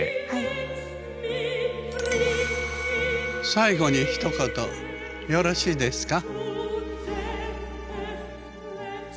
最後にひと言よろしいですか？